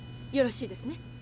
よろしいですね？